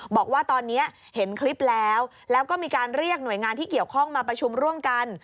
บอกว่าตอนนี้เห็นคลิปแล้วแล้วก็มีการเรียกหน่วยงานที่เกี่ยวข้องมาประชุมร่วมกัน